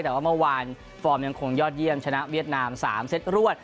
แต่ว่าเมื่อวานฟอร์มยังคงยอดเยี่ยมชนะเวียดนาม๓เซตรวด